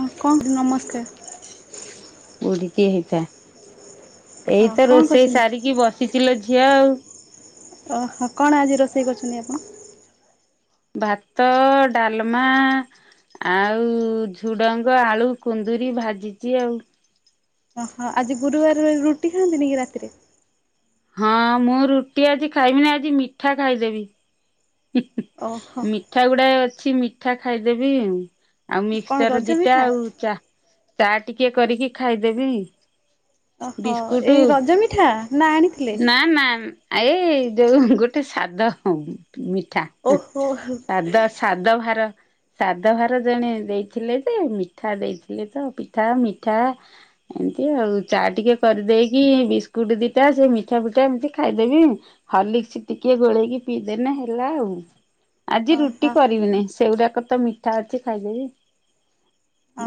ହଁ କଁ ନମସ୍କାର। ବୁଡ଼ିଟିଏ ହେଇଥା ଏଇ ହଁ ତ କଣ ରୋଷେଇ କରୁଛନ୍ତି? ସାରିକି ବସ ଚିଲୋ ଝିଆ ଆଉ। ଓହୋ କଣ ଆଜି ରୋଷେଇ କରିଛନ୍ତି ଆପଣ? ଭାତ ଡ଼ାଲମା ଆଉ ଝୁଡ଼ଙ୍ଗ, ଆଳୁ, କୁନ୍ଦୁରିୀ, ଭାଜିଚି ଆଉ। ଓହୋ ଆଜି ଗୁରୁବାରରେ ରୁଟି ଖାଆନ୍ତିନି କି ରାତିରେ? ହଁ ମୁଁ ରୁଟି ଆଜି ଖାଇମିନି ଆଜି ମିଠା ଖାଇଦେବି। ହୁଁ ହୁଁ ଓହୋ ମିଠା ଗୁଡ଼ାଏ ଅଛି ମିଠା ଖାଇଦେବି ଆଉ। ଆଉ କଣ ମିକ୍ସଚର ରଜ ଦିଟା ମିଠା? ଆଉ ଚା ଚା ଟିକେ କରିକି ଖାଇଦେବି। ଓହୋ ବିସ୍କୁଟ ଏଇ ରଜ ମିଠା ନା ଆଣି ନା ନା ଏଇ ଯୋଉ ଗୋଟେ ସାଦ ମିଠା ଓହୋ ଓହୋ ସାଦ ସାଦ ଭାର ସାଦ ଭାର ଜଣେ ଦେଇଥିଲେ ଯେ ମିଠା ଦେଇଥିଲେ ତ ପିଠା ମିଠା ଏମିତି ଆଉ ଚା ଟିକେ କରିଦେଇକି ବିସ୍କୁଟ ଦିଟା ସେ ମିଠା ଫିଠା ଏମିତି ଖାଇଦେବି। ହର୍ଲିସ୍ ଟିକେ ଗୋଳେଇକି ପିଇଦେନେ ହେଲା ଆଉ। ଆଜି ରୁଟି ଓହୋ କରିବିନେଇ ସେଗୁଡ଼ାକ ତ ମିଠା ଅଛି ଖାଇଦେବି।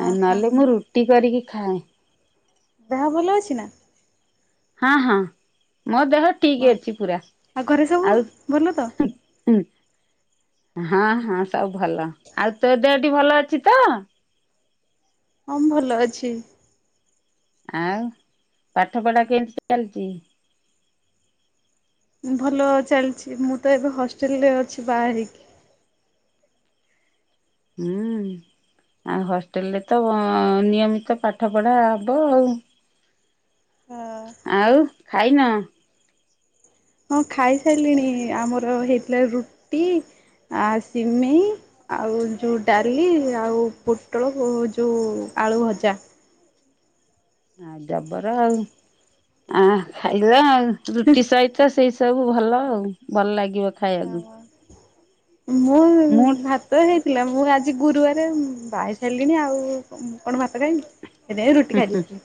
ଆଉ ନହେଲେ ମୁଁ ରୁଟି କରିକି ଖାଏ। ଦେହ ଭଲ ଅଛି ନା? ହଁ ହଁ ମୋ ଦେହ ଠିକ୍ ହଁ ଅଛି ପୁରା ଆଉ ଘରେ ସବୁ ଆଉ। ଭଲ ତ? ହୁଁ। ହଁ ହଁ ସବୁ ଭଲ ଆଉ ତୋ ଦେହଟି ଭଲ ଅଛି ତ? ହଁ ମୁଁ ଭଲ ଅଛି। ଆଉ ପାଠ ପଢା କେମିତି ଚାଲିଚି? ଭଲ ଚାଲିଚି ମୁଁ ତ ଏବେ ହଷ୍ଟେଲରେ ଅଛି ବାହା ହେଇକି। ହୁଁ ଆଉ ହଷ୍ଟେଲରେ ତ ନିୟମିତ ପାଠ ପଢ଼ା ହବ ଆଉ। ହଁ ଆଉ ଖାଇନ? ହଁ ଖାଇସାରିଲିଣି। ଆମର ହେଇଥିଲା ରୁଟି, ଆ ସିମେଇ ଆଉ ଯୋଉ ଡାଲି, ଆଉ ପୋଟୋଳୋ ଭୋ ଯୋଉ ଆଳୁ ଭଜା। ଆ ଜବର ଆଉ ଆଁ ଖାଇଲ ଆଉ ରୁଟି ସହି ଚ ସେଇ ସବୁ ଭଲ ଆଉ, ଭଲ୍ ଲାଗିବ ଖାଇଆକୁ। ମୁଁ ଭାତ୍ ତ ହେଇଥିଲା, ମୁଁ ଆଜି ଗୁରୁବାରେ ବାହେଇ ସାରିଲିଣି ଆଉ କ କଣ ଭାତ ଖାଇବି। ସେଥିପାଇଁ ରୁଟି ହୁଁ ଖାଇ ହୁଁ ଦୋଉଥିଲି।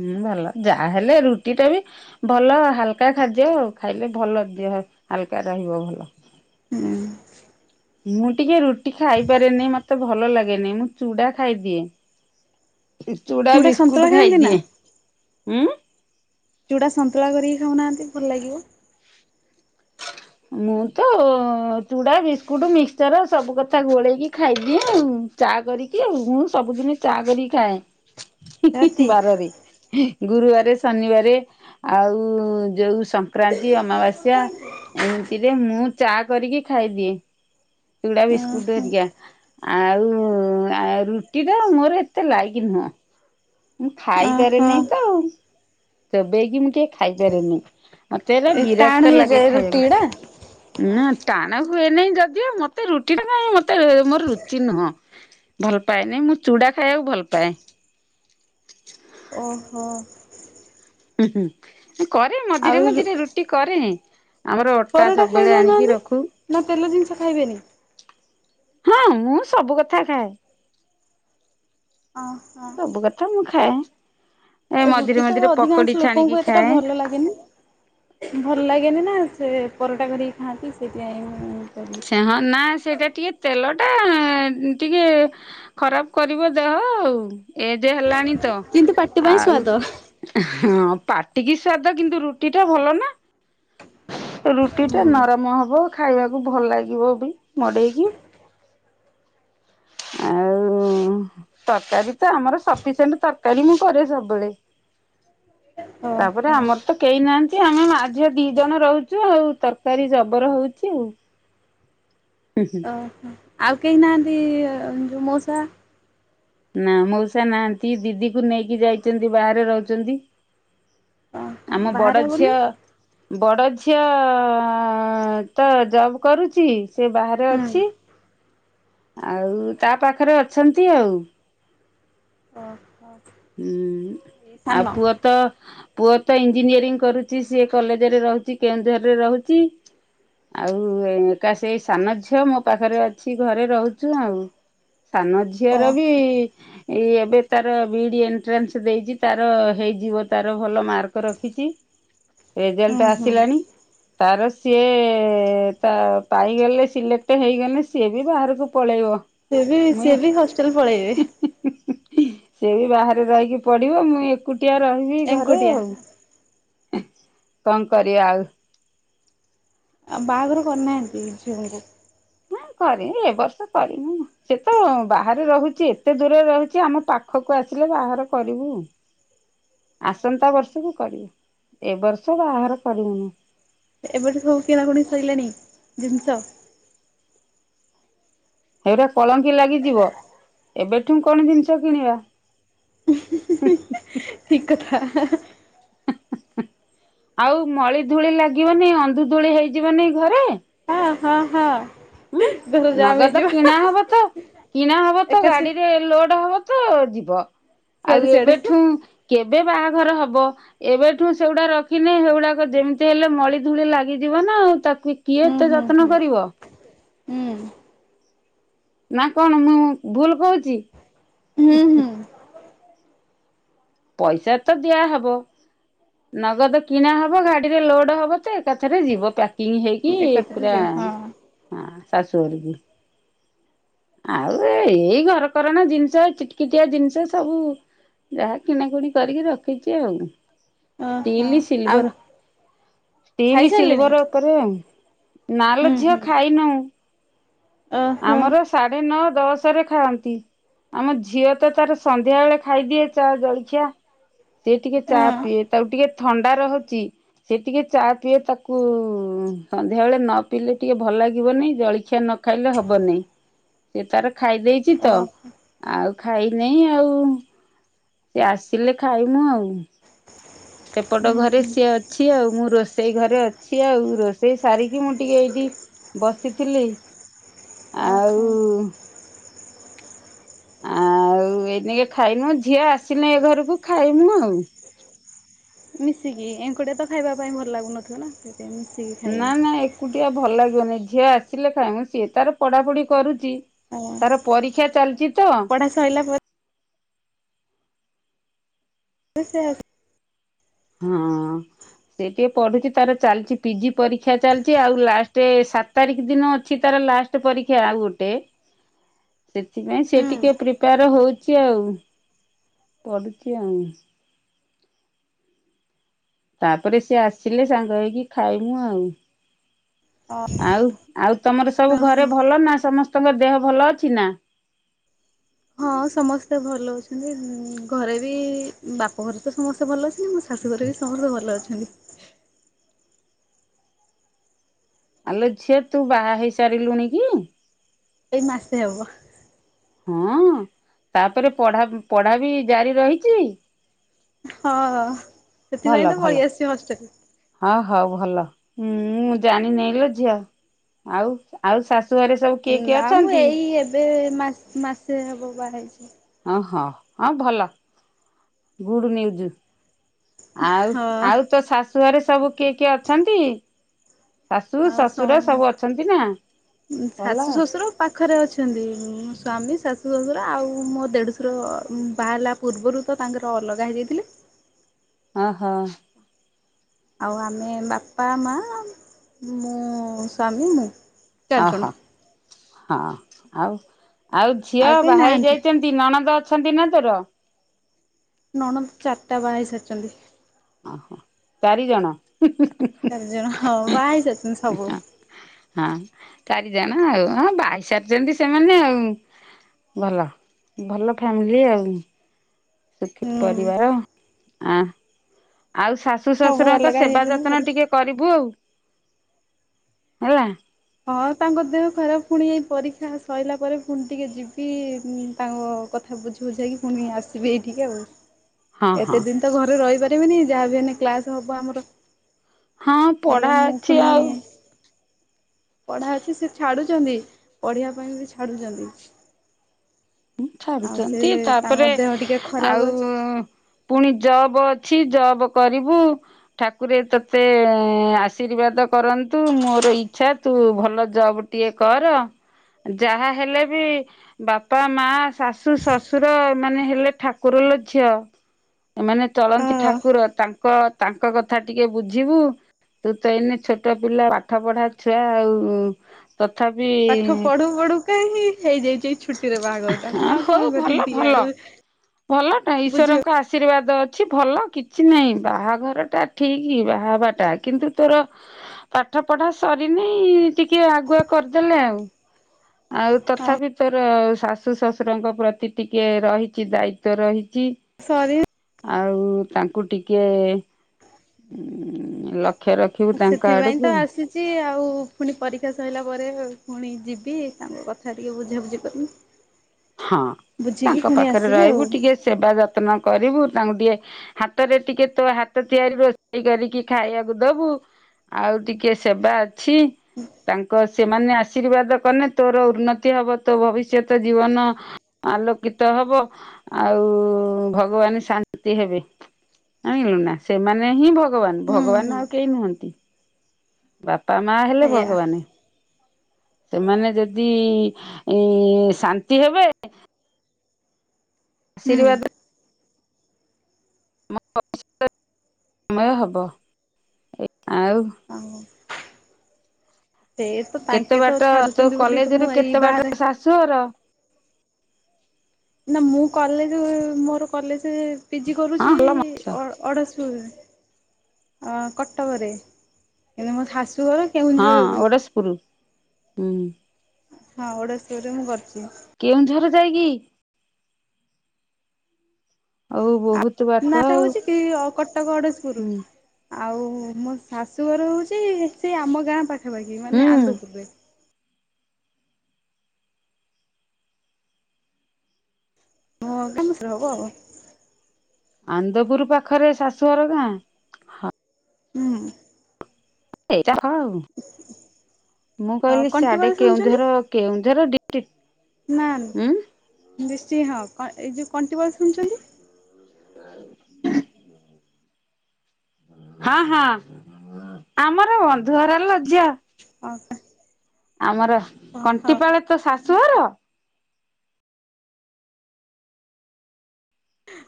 ହୁଁ ଭଲ, ଯାହେଲେ ରୁଟି ଟା ବି ଭଲ ହାଲକା ଖାଦ୍ୟ ଖାଇଲେ ଭଲ ଦେହ ହାଲକା ରହିବ ଭଲ। ହୁଁ। ମୁଁ ଟିକେ ରୁଟି ଖାଇପାରେନେଇ ମତେ ଭଲ ଲାଗେନି, ମୁଁ ଚୁଡା ଖାଇଦିଏ। ତୁ ଚୁଡ଼ା, ସନ୍ତୁଳା ବିସ୍କୁଟ ଖାଆନ୍ତି ନା ଖାଇଦିଏ ଉଁ। ଚୁଡ଼ା ସନ୍ତୁଳା କରିକି ଖାଉନାହାନ୍ତି ଭଲ୍ ଲାଗିବ। ମୁଁ ତ ଚୂଡ଼ା, ବିସ୍କୁଟ, ମିକ୍ସଚର ସବୁ କଥା ଗୋଳେଇକି ଖାଇଦିଏ ଆଉ। ଚା କରିକି ଆଉ, ମୁଁ ସବୁଦିନି ଚା କରିକି ଖାଏ। ହୁଁ, ରାତି ହୁଁ, ବାରରେ। [unintelligible] ଗୁରୁବାରେ, ଶନିବାରେ ଆଉ ଯୋଉ ସଂକ୍ରାନ୍ତି, ଅମାବାସ୍ୟା ଏମିତିରେ ମୁଁ ଚା କରିକି ଖାଇଦିଏ। ଚୁଡା, ବିସ୍କୁଟ୍ ଓହୋ ହରିକା। ଆଉ ଆ ରୁଟି ଟା ମୋରୋ ଏତେ ଲାଇକି ନୁହଁ। ମୁଁ ଓହୋ ଖାଇପାରେନେଇ ତ, ଚୋବେଇକି ମୁଁ ଟିକେ ଖାଇଚାରେନି। ମତେ ଏରା ଏ ଟାଣ ବିରକ୍ତ ଲାଗେ ହେଇଯାଏ ରୁଟି ଖାଇବାକୁ। ଗୁଡା ନା ଟାଣ ହୁଏ ନାହିଁ ଯଦିଓ ମତେ ରୁଟି ଟା କାଇଁ ମତେ, ମୋରୋ ରୁଚି ନୁହଁ। ଭଲ୍ ପାଏନି, ମୁଁ ଚୁଡା ଖାଇଆକୁ ଭଲି ପାଏ। ଓହୋ! ହୁଁ ହୁଁ କରେ ମଝିରେ ଆଉ ମୁଝିରେ ରୁଟି କରେ। ଆମର ଅଟା ପରଟା ସବବେଳେ ଆଣିକି ଖାଇଦଉନାହାନ୍ତି ରଖୁ। ନା ତେଲ ଜିନିଷ ଖାଇବେନି? ହଁ, ମୁଁ ସବୁ କଥା ଖାଏ। ଓହୋ। ସବୁ କଥା ମୁଁ ଖାଏ। ଏ ମଝିରେ ରୁଟି ତ ମଝିରେ ପକୋଡି ଅଧିକାଂଶ ଛାଣିକି ଲୋକୋଙ୍କୁ ଏତେଟା ଖାଏ। ଭଲ ଲାଗେନି। ଭଲ୍ ଲାଗେନି ନା ସେ ପରଟା କରିକି ଖାଆନ୍ତି ସେଇଥିପାଇଁ ମୁଁ କରିବି। ଚ୍ଛା ହ ନା ସେଇଟା ଟିଏ ତେଲ ଟା ଟିକେ ଖରାପ୍ କରିବ ଦେହ ଆଉ। ଏଦେ ହେଲାଣି ତ କିନ୍ତୁ ପାଟି ପାଇଁ ଆଉ ସ୍ଵାଦ। ହଁ ପାଟିକି ସ୍ଵାଦ କିନ୍ତୁ ରୁଟି ଟା ଭଲ ନା। ରୁଟି ଟା ହୁଁ ନରମ ହବ, ଖାଇବାକୁ ଭଲ ଲାଗିବ ବି ମଡ଼େଇକି। ଆଉ ଉ ତରକାରୀ ତ ଆମର ସଫିସେଣ୍ଟ୍ ତରକାରୀ ମୁଁ କରେ ସବବେଳେ। ଓହୋ ତାପରେ ଆମର୍ ଓହୋ। ତ କେହି ନାହାନ୍ତି ଆମେ ମା, ଝିଅ, ଦି ଜଣ ରହୁଚୁ ଆଉ, ତରକାରୀ ଜବର ହେଉଚି ଆଉ। ହୁଁ। ହୁଁ ଓହୋ, ଆଉ କେହି ନାହାନ୍ତି, ଯୋଉ ମୋଉସା? ନା ମଉସା ନାହାନ୍ତି, ଦିଦିକୁ ନେଇକି ଯାଇଚନ୍ତି ବାହାରେ ରୋହୁଚନ୍ତି। ଓହୋ ଆମ ବଡ ବାହାରେ ଝିଅ ବୋଲି? ବଡ଼ ଝିଅ ତ ଜବ୍ କରୁଚି, ସେ ବାହାରେ ଓହୋ ଅଛି ଆଉ ତା ପାଖରେ ଅଛନ୍ତି ଆଉ। ଓହୋ। ଉଁ, ଆଉ ପୁଅ ତ, ପୁଅ ତ ଇଞ୍ଜିନିୟରିଂ କରୁଛି, ସିଏ କଲେଜରେ ରହୁଛି, କେଉଁଝରରେ ରହୁଛି। ଆଉ ଏକା ସେଇ ସାନ ଝିଅ ମୋ ପାଖରେ ଅଛି, ଘରେ ରହୁଚୁ ଆଉ। ସାନ ଓ ଝିଅର ବି, ଏଇ ଏବେ ତାର ବିଇଡି ଏଣ୍ଟ୍ରାନ୍ସ ଦେଇଛି ତାର ହେଇଯିବ ତାର ଭଲ ମାର୍କ ରଖିଛି ହୁଁ ରେଜଲ୍ଟ ହୁଁ। ଆସିଲାଣି ତାର ସିଏ ତା ପାଇଗଲେ ସିଲେକ୍ଟ ହେଇଗଲେ ସିଏ ବି ବାହାରକୁ ପଳେଇବ। ସେ ବି ସେ ମୁଁ ବି ହଷ୍ଟେଲ ପଳେଇବେ? ସିଏ ବି ବାହାରେ ରହିକି ପଡିବ ମୁଁ ଏକୁଟିଆ ରହିବି ଘରେ ଏଙ୍କୁଟିଆ। ଆଉ। କଣ କରିବା ଆଉ। ଆଉ ବାହାଘରୁ କରିନାହାନ୍ତି ଝିଅଙ୍କୁ? ହଁ କରିବି ଏ ବର୍ଷ କରିବିନି ଆଉ। ସେ ତ ବାହାରେ ରହୁଛି ଏତେ ଦୂରରେ ରହୁଛି ଆମ ପାଖକୁ ଆସିଲେ ବାହାଘର କରିବୁ। ଆସନ୍ତା ବର୍ଷକୁ କରିବୁ ଏ ବର୍ଷ ବାହାଘର କରିବୁନି। ଏବେ ତ ସବୁ କିଣାକଣି ସିରିଲାଣି ଜିନିଷ? ଏଇଟା କଳଙ୍କି ଲାଗିଯିବ ଏବେଠୁ କଣ ଜିନିଷ କିଣିବା। [unintelligible] ଠିକ୍ କଥା। ଆଉ ମଳି ଧୂଳି ଲାଗିବନି ଅନ୍ଧୁ ଧୂଳି ହେଇଯିବନି ଘରେ? ହଁ ହଁ ହଁ। ହୁଁ ଘର ଜାମ୍ ନଗଦ ହେଇଯିବ କିଣା ହବ ତ କିଣା ହବ ତ ଏକାଛି ଗାଡିରେ ଲୋଡ ହବ ତ ଯିବ, ଆଉ ସିଆଡେ ସିଆଡେ ଏବେଠୁ କେବେ ବାହାଘର ହବ। ଏବେଠୁ ସେଗୁଡା ରଖିନି ସେଗୁଡାକ ଯେମିତି ହେଲେ ମଳି ଧୂଳି ଲାଗିଯିବ ନା ଆଉ ତାକୁ କିଏ ହୁଁ ଏତେ ହୁଁ ଯତ୍ନ ହୁଁ କରିବ। ହୁଁ। ନା କଣ ମୁଁ ଭୁଲ କହୁଛି? ହୁଁ ହୁଁ। ପଇସା ତ ଦିଆହବ ନଗଦ କିଣା ହବ ଗାଡିରେ ଲୋଡ ହବ ତ ଏକାଥରେ ଯିବ ପ୍ୟାକିଂ ହେଇକି ଏକଥରେ ପୁରା। ଯିବ ହଁ ଶାଶୁ ଘରୁ କି ଆଉ ଏ ଏଇ ଘରକରଣା ଜିନିଷ ଚିଟକିଟିଆ ଜିନିଷ ସବୁ ଯାହା କିଣାକୁଣି କରିକି ରଖିଛି ଆଉ ଓହୋ ଷ୍ଟିଲ, ଆଉ ସିଲଭର। ଷ୍ଟିଲ ଖାଇସାରିଲେଣି ସିଲଭର ଉପରେ ଆ। ନାଲୋ ହୁଁ ଝିଅ ହୁଁ ଖାଇନଉ। ଓହୋ ଆମର ସାଢେ ନଅ ଦଶ ରେ ଖାଆନ୍ତି। ଆମ ଝିଅ ତ ତାର ସନ୍ଧ୍ୟା ବେଳେ ଖାଇଦିଏ ଚା ଜଳଖିଆ। ସେି ଟିକେ ଚା ହଁ ପିଏ ତାକୁ ଟିକେ ଥଣ୍ଡା ରହୁଛି। ସେ ଟିକେ ଚା ପିଏ ତାକୁ ସନ୍ଧ୍ୟାବେଳେ ନ ପିଇଲେ ଟିକେ ଭଲ ଲାଗିବନି ଜଳଖିଆ ନ ଖାଇଲେ ହବନାଇଁ। ସେ ତାର ଖାଇ ଦେଇେଛି ତ ଓହୋ ଆଉ ଖାଇନାଇ ଆଉ। ସିଏ ଆସିଲେ ଖାଇମୁ ଆଉ ସେପଟ ହୁଁ ଘରେ ହୁଁ ସିଏ ଅଛି ଆଉ। ମୁଁ ରୋଷେଇ ଘରେ ଅଛି ଆଉ ରୋଷେଇ ସାରିକି ମୁଁ ଟିକେ ଏଇଠି ବସିଥିଲି ଓହୋ ଆଉ ଆଉ ଏଇନେକେ ଖାଇନୁ ଝିଅ ଆସିନେ ଏ ଘରକୁ ଖାଇମୁ ଆଉ। ମିଶିକି ଏଙ୍କୁଟିଆ ତ ଖାଇବା ପାଇଁ ଭଲ ଲାଗୁନଥିବ ନାଁ। ଯେମିତି କି। ନାଁ ନା ଏକୁଟିଆ ଭଲ ଲାଗିବନି ଝିଅ ଆସିଲେ ଖାଇମୁ। ସିଏ ତାର ପଢ଼ାପଢ଼ି କରୁଚି। ଆଜ୍ଞା ତାର ପରୀକ୍ଷା ଚାଲିଚି ତ ହଁ। ପଢ଼ା ସଇଲା ପରେ [unintelligible] ହଁ ସେ ଟିକେ ପଢୁଚି ତାର ଚାଲିଚି ପିଜି ପରୀକ୍ଷା ଚାଲିଚି। ଆଉ ଲାଷ୍ଟ୍ ସା ସାତ ତାରିଖ ଦିନ ଅଛି ତାର ଲାଷ୍ଟ ପରୀକ୍ଷା ଆଉ ଗୋଟେ। ସେଥିପାଇଁ ସେ ହୁଁ ଟିକେ ପ୍ରିପାୟର ହଉଚି ଆଉ। ପଢୁଚି ଆଉ। ତାପରେ ସିଏ ଆସିଲେ ସାଙ୍ଗ ହେଇକି ଖାଇମୁ ଆଉ। ଆଉ ଆଉ ତମର ସବୁ ଘରେ ଓହୋ ଭଲ ନା। ସମସ୍ତଙ୍କ ଦେହ ଭଲ ଅଛି ନାଁ। ହଁ ସମସ୍ତେ ଭଲ ଅଛନ୍ତି ଉଁ ଘରେ ବି ବାପଘରେ ତ ସମସ୍ତେ ଭଲ ଅଛନ୍ତି। ମୋ ଶା ଶାଶୁ ଘରେ ବି ସମସ୍ତେ ଭଲ ଅଛନ୍ତି। ଆଲୋ ଝିଅ ତୁ ବାହା ହେଇ ସାରିଲୁଣି କି? ଏଇ ମାସେ ହବ। ହଁ ତାପରେ ପଢ଼ା ପଢ଼ା ବି ଜାରି ରହିଚି। ହଁ ସେଥିପାଇଁ ଭଲ ତ ଭଲ ପଳେଇ ଆସିଚି ହଷ୍ଟେଲ। ହଁ ହଉ ଭଲ ମୁଁ ଜାଣିି ନେଇ ଲୋ ଝିଅ। ଆଉ ଆଉ ଶାଶୁଘରେ ନାଁ ମୁଁ ଏଇ ଏବେ ମା ମାସେ ହବ ବାହା ହେଇଚି। ଓହୋ ହଁ ଭଲ ଗୁଡ଼ ନ୍ୟୁଜ୍। ଆଉ ହଁ ଆଉ ତୋ ଶାଶୁ ଘରେ ସବୁ କିଏ କିଏ ଅଛନ୍ତି? ଶାଶୁ ଶଶୁର ସବୁ ଅଛନ୍ତି ନା ଭଲ। ଶାଶୁ ଶ୍ୱଶୁର ପାଖରେ ଅଛନ୍ତି ମୋ ସ୍ୱାମୀ ଶାଶୁ ଶଶୁର ଆଉ ମୋ ଦେଢ଼ଶୁର ବାହାହେଲା ପୂର୍ବରୁ ତ ତାଙ୍କର ଅଲଗା ହେଇ ଯାଇଥିଲେ। ଓହୋ ଆଉ ଆମେ ବାପା ମା ମୁଁ ସ୍ୱାମୀ ମୁଁ। ଚାରିଜଣ। ଓହୋ ହଁ ଆଉ ଆଉ ଝିଅ କେହି ବାହା ହେଇ ନାହାନ୍ତି। ଯାଇଚ ନ୍ତି ନଣନ୍ଦ ଅଛନ୍ତି ନା ତୋର। ନଣନ୍ଦ ଚାରିଟା ବାହା ହେଇ ସାରିଚନ୍ତି। ଓହୋ ଚାରି ଜଣ। ପିକ ପିକିକ [inaudible] ଚାରି ଜଣ ହଁ ବାହା ହେଇ ସାରିଚନ୍ତି ସବୁ। ହାଁ ଆଁ ଚାରିଜଣ ଆଉ ହଁ ବାହା ହେଇସାରିଚନ୍ତି ସେମାନେ ଆଉ। ଭଲ ଭଲ ଫ୍ୟାମିଲି ଆଉ। ସୁଖି ହୁଁ ପରିବାର ଆଁ ଆଉ ଶାଶୁ ସବୁ ଶଶୁରଙ୍କ ଅଲଗା ସେବା ହେଇଯାଇଛନ୍ତି ଭଲ। ଯତ୍ନ ଟିକେ କରିବୁ ଆଉ ହେଲା। ହଁ ତାଙ୍କ ଦେହ ଖରାପ ପୁଣି ଏଇ ପରୀକ୍ଷା ସରିଲା ପରେ ପୁଣି ଟିକେ ଯିବି ତାଙ୍କ କଥ୍ କଥା ବୁଝି ବୁଝାକି ପୁଣି ଆସିବି ଏଇଠିକି ଆଉ। ହଁ [inaudible] ହଁ। ଏତେ ଦିନ୍ ତ ଘରେ ରହିପାରିବିନି। ଯାହା ବି ହେନେ କ୍ଲାସ ହବ ଆମର। ହଁ ହେଲେ ପଢା ମୁଁ ଅଛି ପୁଣି ଆଉ ପଢ଼ା ଅଛି। ସେ ଛାଡ଼ୁଚନ୍ତି ପଢ଼ିବା ପାଇଁ ବି ଛାଡ଼ୁଚନ୍ତି। ଉଁ ଛାଡୁଚନ୍ତି ତାଙ୍କ ତାପରେ ଦେହ ଟିକେ ଖରାପ ଅଛି ଆଉ ପୁଣି ଜବ ଅଛି ଜବ କରିବୁ। ଠାକୁରେ ତୋତେ ଅଁ, ଆଶୀର୍ବାଦ କରନ୍ତୁ ମୋର ଇଚ୍ଛା ତୁ ଭଲ ଜବ୍ ଟିଏ କର, ଯାହା ହେଲେ ବି ବା ପା ମା ଶାଶୁ ଶଶୁର ଏ ମାନେ ହେଲେ ଠାକୁର ଲୋ ଝିଅ। ଏମାନେ ଚଳନ୍ତି ହଁ। ଠାକୁର, ତାଙ୍କ ତାଙ୍କ କଥା ଟିକେ ବୁଝିବୁ। ତୁ ତ ଏଇନେ ଛୋଟ ପିଲା ପାଠ ପଢା ଛୁଆ ଆଉ ଉଁ,। ତଥାପି ପାଠ ପଢୁ ପଢୁ କା ହିଁ ହେଇଯାଇଚି ଏଇ ଛୁ ହଁ ହଉ ଭଲ ଭଲ ଭଲ ତ ବୁଝିବ ଈଶ୍ୱରଙ୍କ ଆଶୀର୍ବାଦ ଅ ଛି ଭଲ କିଛି ନାହିଁ, ବାହାଘର ଟା ଠିକି ବାହା ହବା ଟା କିନ୍ତୁ ତୋର ପାଠ ପଢା ସରିନି ଟିକେ ଆଗୁଆ କରିଦେଲେ ଆଉ। ଆଉ ତଥାପି ତୋ ର ଶାଶୁ ଶଶୁରଙ୍କ ପ୍ରତି ଟିକେ ରହିଚି ଦାୟିତ୍ଵ ରହିଛି। ସରି ଆଉ ତାଙ୍କୁ ଟିକିଏ ଉଁ, ଲକ୍ଷ୍ୟ ର ଖିବୁ ତାଙ୍କ ଆଡ଼କୁ। ଚି ଆଉ ପୁଣି ପରୀକ୍ଷା ସଇଲା ପରେ ପୁଣି ଯିବି ତାଙ୍କ କଥା ଟିକେ ବୁଝାବୁଝି କରିମି। ହଁ ତାଙ୍କ ପୁଣି ପାଖରେ ଆସିବି ଆଉ ରହିବୁ ଟିକେ ସେବା ଯତ୍ନ କରିବୁ, ତାଙ୍କୁ ଟିକେ ହାତରେ ଟିକେ ତୋ ହାତ ତିଆରି ରୋଷେଇ କରିକି ଖାଇବାକୁ ଦବୁ। ଆଉ ଟିକେ ସେବା ଅଛି। ତାଙ୍କ, ସେମାନେ ଆଶୀର୍ବାଦ କନେ ତୋର ଉନ୍ନତି ହବ, ତୋ ଭବିଷ୍ୟତ ଜୀବନ ଆଲୋକିତ ହବ, ଆଉ ଉ, ଭଗବାନ ଶାନ୍ତି ହେବେ। ଜାଣିଲୁନା? ସେମାନେ ହିଁ ଭଗବାନ ହୁଁ ହୁଁ ଭଗବାନ ଆଉ କେହି ନୁହନ୍ତି। ବାପା, ମା ହେଲେ ସେଇଆ ଭଗବାନେ। ସେମାନେ ଯଦି ଏ, ଶାନ୍ତି ହେବେ ହୁଁ ଆଶୀର୍ବାଦ [inaudible] ସମୟ ହବ ଏ ଆଉ ଆଉ ସେ ତ କେତେ ତାଙ୍କେ ତ ବାଟ, ତୋ ଛାଡୁଛନ୍ତି ବୋଲି କଲେଜ୍ ତ ରୁ ମୁଁ ଏଇ କେତେ ବାଟ ବାହାରେ ଶାଶୁଘର? ନା, ମୁଁ କଲେଜ, ମୋର କଲେଜ ପିଜି ହଁ କରୁଛି ଭଲ ମଣିଷ ଅ, ଅଡ଼ଶ ପୁରେ, ଅ, କଟକରେ, ଏବେ ମୋ ଶାଶୁଘର ହଁ କେଉଁଝର ଓଡ଼ଶପୁର, ହୁଁ। ହଁ ଓଡଶପୁର ରେ ମୁଁ କରିଚି। କେଉଁଝର ଯାଇକି? ଆଉ ବହୁ ନାଁ ଠା ହଉଛି କି ଓ-କଟକ ଓଡ଼ଶପୁରୁ। ହୁଁ ଆଉ, ମୋ ଶାଶୁଘର ହଉଛି ସେ ଆମ ଗାଁ ପାଖାପାଖି, ମାନେ ହୁଁ ଆନ୍ଦପୁରରେ। [inaudible] ହବ ଆଉ। ଆନ୍ଦପୁର ପାଖରେ ଶାଶୁଘର ଗାଁ? ହୁଁ। ଏଇଟା [unintelligible] ଆଉ, ମୁଁ କହିଲି କଣ୍ଟିବାଳ ସାଡେ ଶୁଣିଛନ୍ତି କେଉଁଝର କେଉଁଝର ଡିଟିକ ନା, ନି-ଡିଷ୍ଟିକି, ହଁ! କ-ଏ ଯୋଉ କଣ୍ଟିବଳ ଶୁଣଛନ୍ତି? [inaudible] ହଁ-ହଁ, ଆମର ବନ୍ଧୁ ଘର ଲୋ ଝିଅ। ଓ [unintelligible] ଆମର, କଣ୍ଟିପାଳ ତୋ ଶାଶୁଘର?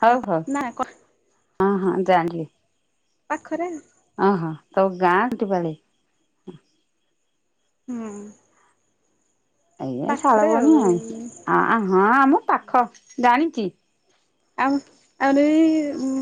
ହଉ, ହଉ, ନା ହଁ, ହଁ, ଜାଣିଲି। ପାଖରେ। ଓହୋ। ତୋ ଗାଁ କଣ୍ଟିପାଳେ? ହୁଁ। ଏ ପାଖରେ ଶାଳବଣି, ଆଉ। ଆଇଁ, ହଁ, ଆମ ପାଖ ଜାଣିଛି। ଆଉ, ଆଉରି ଉମ